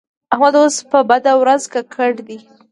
احمد اوس په بده ورځ ککړ دی.